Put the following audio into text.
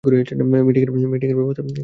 Meeting এর ব্যবস্থা কীভাবে করা হবে?